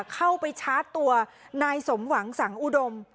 เข้าไปชาร์จตัวนายสมหวังสังอุดม